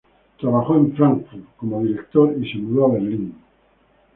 Trabajó en Frankfurt como director, y se mudó a Berlín.